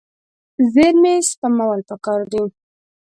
زیرمې سپمول پکار دي.